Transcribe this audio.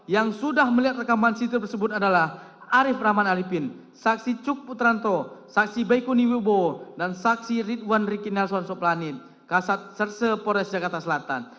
yang sudah melihat rekaman cityl tersebut adalah arief rahman alipin saksi cuk putranto saksi baikuni wibowo dan saksi ridwan rikin nelson soplanin kasat serse pores jakarta selatan